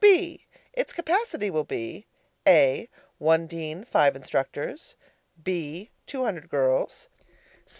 B. Its capacity will be: (a) one dean, five instructors. (b) two hundred girls.